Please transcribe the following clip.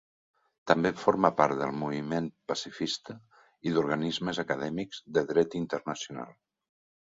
També forma part del moviment pacifista i d'organismes acadèmics de dret internacional.